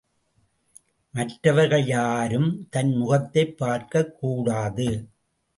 மற்றவர்கள் யாரும் தன் முகத்தைப் பார்க்கக் கூடாது!